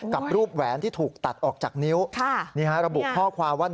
กับรูปแหวนที่ถูกตัดออกจากนิ้วนี่ฮะระบุข้อความว่า